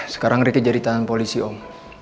sekarang riki jadi tangan polisi om